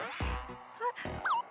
あっ。